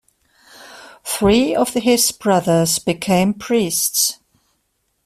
Three of his brothers became priests.